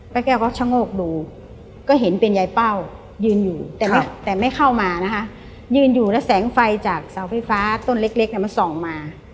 มันพลัดคลิ้วไปคลิ้วมาเหมือนลอยอยู่จมันนะครับเรามั้ย